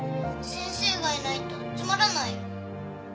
先生がいないとつまらないよ。